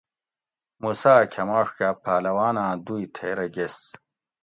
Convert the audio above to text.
موسیٰ اۤ کھماڛ کاۤ پہلواناں دوئ تھیرہ گیس